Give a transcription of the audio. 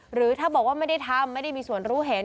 หรือถ้าบอกว่าไม่ได้ทำไม่ได้มีส่วนรู้เห็น